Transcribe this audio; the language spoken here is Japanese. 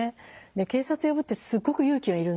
警察呼ぶってすっごく勇気がいるんですよ。